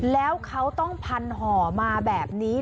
แล้วเขาต้องพันห่อมาแบบนี้